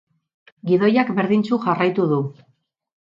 Gidoiak berdintsu jarraitu du.